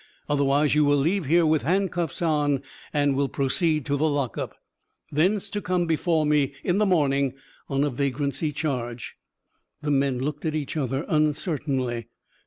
Otherwise, you will leave here with handcuffs on and will proceed to the lock up; thence to come before me in the morning on a vagrancy charge." The men looked at each other uncertainly.